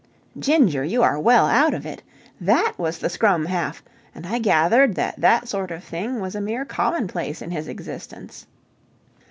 Ginger, you are well out of it! That was the scrum half, and I gathered that that sort of thing was a mere commonplace in his existence.